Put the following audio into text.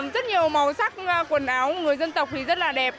rất nhiều màu sắc quần áo của người dân tộc thì rất là đẹp